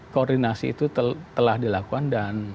koordinasi itu telah dilakukan dan